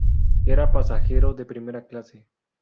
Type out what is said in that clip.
Era pasajero de primera clase.